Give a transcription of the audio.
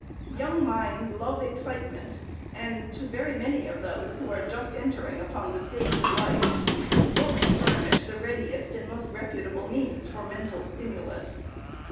Young minds love excitement, and, to very many of those who are just entering upon the stage of life, books furnish the readiest and the most reputable means for mental stimulus.